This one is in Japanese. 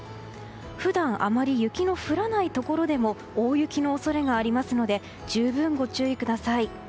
普段、あまり雪の降らないところでも大雪の恐れがありますので十分ご注意ください。